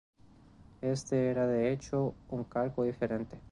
Este era, de hecho, un cargo diferente.